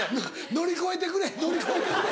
乗り越えてくれ乗り越えてくれ。